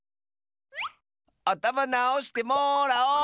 あたまなおしてもらおう！